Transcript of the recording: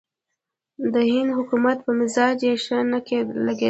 د هند حکومت پر مزاج یې ښه نه لګېدل.